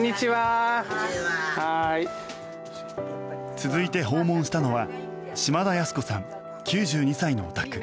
続いて訪問したのは島田安子さん、９２歳のお宅。